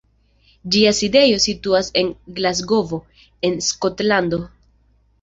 Ĝia sidejo situas en Glasgovo, en Skotlando.